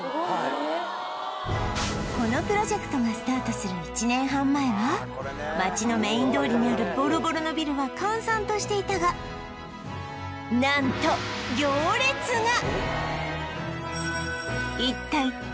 このプロジェクトがスタートする１年半前は街のメイン通りにあるボロボロのビルは閑散としていたが何と行列が！